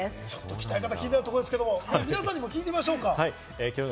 鍛え方、気になるところですけど、皆さんにも聞いてみましょうか。